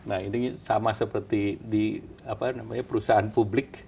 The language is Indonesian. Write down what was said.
nah ini sama seperti di perusahaan publik